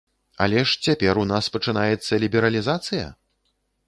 Але ж цяпер у нас пачынаецца лібералізацыя?